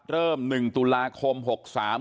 เริ่ม๑ตุลาคม๖๓